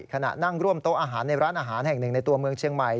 ขณะนั่งร่วมโต๊ะอาหารในร้านอาหารแห่งหนึ่งในตัวเมืองเชียงใหม่